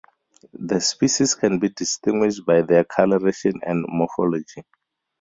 The species can be distinguished by their colouration and morphology.